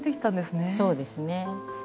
そうですね。